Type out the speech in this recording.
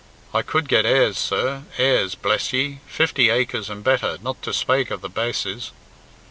I could get heirs, sir, heirs, bless ye fifty acres and better, not to spake of the bas'es.